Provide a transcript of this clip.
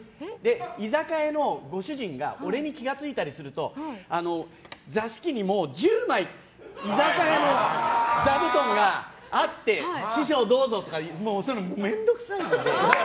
居酒屋のご主人が俺に気が付いたりすると座敷に１０枚居酒屋の座布団があって師匠どうぞとかそういうの面倒くさいんです。